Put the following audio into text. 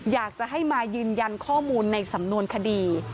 อยากจะให้มายืนยันข้อมูลในสำนวนคดี